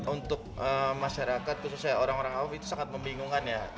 untuk masyarakat khususnya orang orang awam itu sangat membingungkan ya